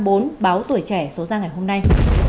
báo tuổi trẻ số ra ngày hôm nay